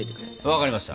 分かりました。